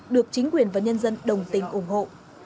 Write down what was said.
được chính quyền và nhân dân đồng tình ủng hộ